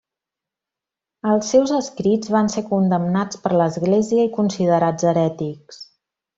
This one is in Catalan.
Els seus escrits van ser condemnats per l'Església i considerats herètics.